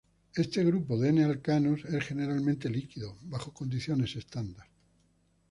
Este grupo de n-alcanos es generalmente líquido bajo condiciones estándar.